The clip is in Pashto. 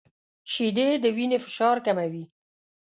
• شیدې د وینې فشار کموي.